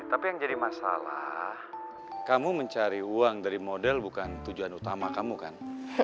tapi yang jadi masalah kamu mencari uang dari model bukan tujuan utama kamu kan